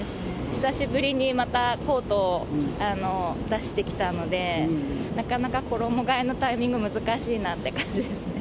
久しぶりにまたコートを出してきたので、なかなか衣替えのタイミング、難しいなって感じですね。